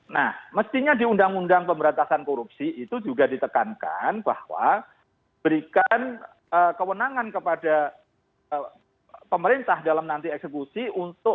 nah mestinya di undang undang pemberantasan korupsi itu juga ditekankan bahwa berikan kewenangan kepada pemerintah dalam nanti eksekusi untuk